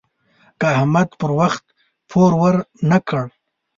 که احمد پر وخت پور ورنه کړ.